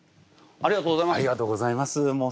ありがとうございます。